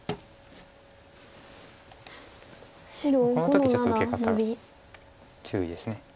この時ちょっと受け方注意です。